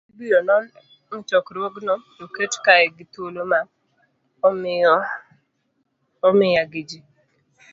Weche ma ibiro non e chokruogno oket kae gi thuolo ma omiya gi ji